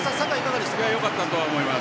よかったと思います。